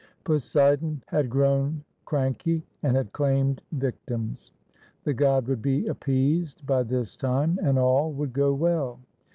Poseidon had grown cranky, and had claimed victims. The god would be appeased by this time, and all would go well.